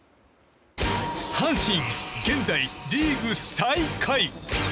阪神、現在リーグ最下位。